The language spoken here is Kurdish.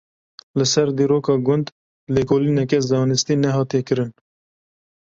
Li ser dîroka gund lêkolîneke zanistî nehatiye kirin.